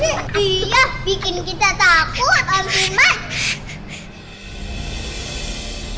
dia bikin kita takut om timan